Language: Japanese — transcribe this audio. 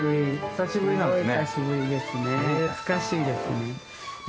懐かしいですね。